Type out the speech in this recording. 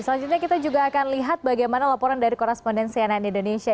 selanjutnya kita juga akan lihat bagaimana laporan dari korespondensi ann indonesia